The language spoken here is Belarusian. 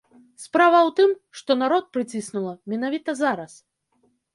Справа ў тым, што народ прыціснула менавіта зараз.